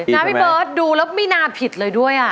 พี่เบิร์ตดูแล้วไม่น่าผิดเลยด้วย